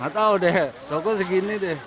gak tau deh toko segini deh